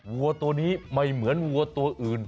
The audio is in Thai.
วัวตัวนี้ไม่เหมือนวัวตัวอื่น